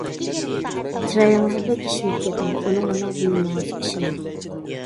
چىرايىڭىزغا بەك ئىشىنىپ كەتمەڭ، ئۇنىڭ ئورنىغا بىلىمىڭىزگە ئىشىنىڭ!